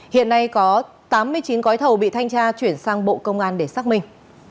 hiện nay có tám mươi chín gói thầu bị thanh tra chuyển sang bộ công an để xác minh